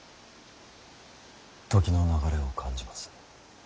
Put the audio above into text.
時の流れを感じます。